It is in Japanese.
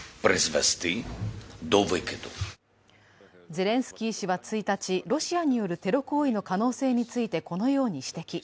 ゼレンスキー氏は１日、ロシアによるテロ行為の可能性についてこのように指摘。